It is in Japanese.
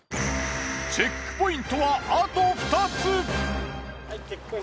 チェックポイントはあと２つ。